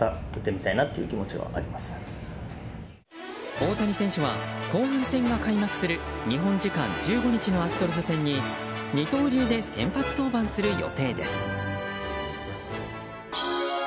大谷選手は後半戦が開幕する日本時間１５日のアストロズ戦に二刀流で先発登板する予定です。